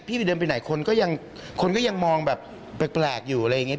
พี่ไปเดินไปไหนคนก็ยังมองแบบแปลกอยู่อะไรอย่างเงี้ย